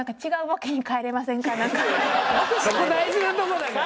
そこ大事なとこだから。